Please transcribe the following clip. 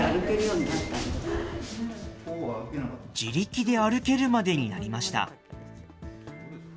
自力で歩けるまでになりました。